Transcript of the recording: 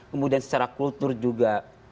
kemudian secara kultur juga